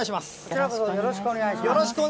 よろしくお願いします。